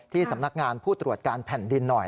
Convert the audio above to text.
สำนักงานผู้ตรวจการแผ่นดินหน่อย